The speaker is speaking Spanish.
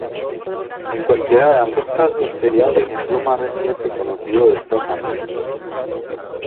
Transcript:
En cualquiera de ambos casos sería el ejemplo más reciente conocido de estas familias.